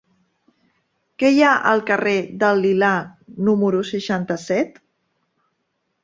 Què hi ha al carrer del Lilà número seixanta-set?